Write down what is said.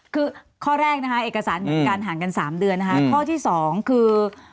คือข้อแรกนะคะเอกสารการห่างกันสามเดือนนะคะข้อที่สองคือ